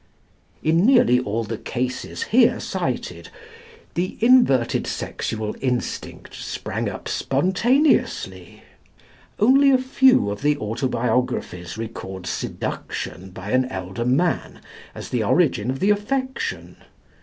In nearly all the cases here cited, the inverted sexual instinct sprang up spontaneously. Only a few of the autobiographies record seduction by an elder man as the origin of the affection.